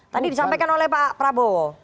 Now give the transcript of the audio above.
tadi disampaikan oleh pak prabowo